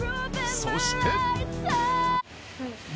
そして。